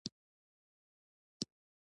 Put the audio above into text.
اندرا ګاندي په طلایی معبد برید وکړ.